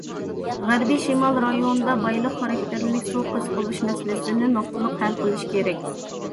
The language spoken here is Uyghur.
غەربىي شىمال رايونىدا بايلىق خاراكتېرلىك سۇ قىس بولۇش مەسىلىسىنى نۇقتىلىق ھەل قىلىش كېرەك.